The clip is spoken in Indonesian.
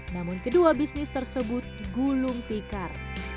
namun kedua bisnis tersebut gulung tikar